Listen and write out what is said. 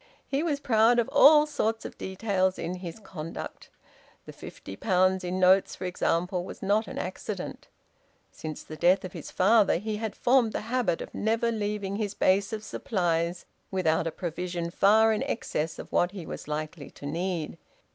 He was proud of all sorts of details in his conduct. The fifty pounds in notes, for example, was not an accident. Since the death of his father, he had formed the habit of never leaving his base of supplies without a provision far in excess of what he was likely to need.